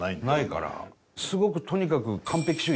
すごくとにかく。